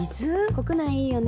国内いいよね。